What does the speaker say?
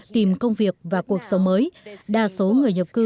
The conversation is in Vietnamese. tìm công việc và cuộc sống mới đa số người nhập cư